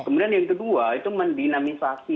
kemudian yang kedua itu mendinamisasi